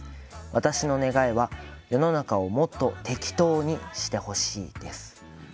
私の願いは、世の中をもっと適当にしてほしいです」。